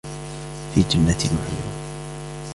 فِي جَنَّاتٍ وَعُيُونٍ